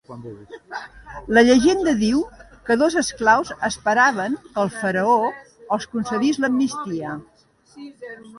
La llegenda diu que dos esclaus esperaven que el faraó els concedís l'amnistia.